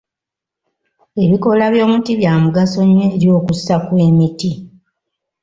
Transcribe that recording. Ebikoola by'omuti bya mugaso nnyo eri okussa kw'emiti.